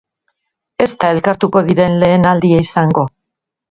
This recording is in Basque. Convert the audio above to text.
Ez da elkartuko diren lehen aldia izango.